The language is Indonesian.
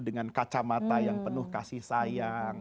dengan kacamata yang penuh kasih sayang